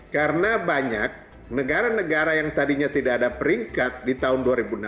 karena banyak negara negara yang tadinya tidak ada peringkat di tahun dua ribu enam belas